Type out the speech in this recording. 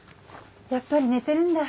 やっぱり寝てるんだ。